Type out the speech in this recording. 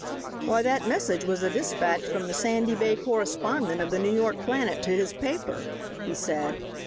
"Why, that message was a despatch from the Sandy Bay correspondent of the New York Planet to his paper," he said.